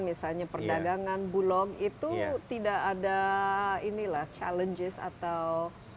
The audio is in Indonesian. misalnya perdagangan bulog itu tidak ada inilah challenges atau